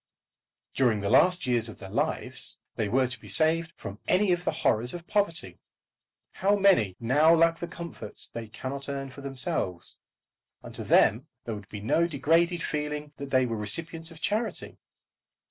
During the last years of their lives they were to be saved from any of the horrors of poverty. How many now lack the comforts they cannot earn for themselves? And to them there would be no degraded feeling that they were the recipients of charity.